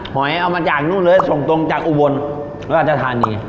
หอยเอามาจากนู่นเลยตรงจากอุบลเราจะทานี่